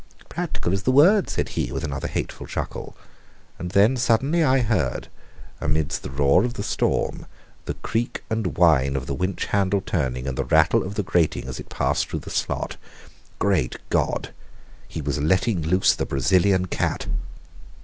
"Practical is the word," said he, with another hateful chuckle. And then suddenly I heard, amidst the roar of the storm, the creak and whine of the winch handle turning and the rattle of the grating as it passed through the slot. Great God, he was letting loose the Brazilian cat!